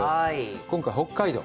今回は北海道。